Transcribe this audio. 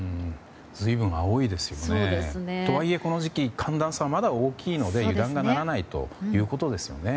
随分青いですよね。とはいえこの時期寒暖差はまだ大きいので油断がならないということですね。